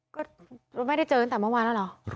ก็ไม่ได้เจอกันต่อเมื่อวานแล้วเหรอ